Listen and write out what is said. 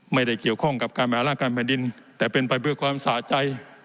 ไม่ได้เกี่ยวข้องกับการมหาราชการแผ่นดินแต่เป็นไปเพื่อความสะใจ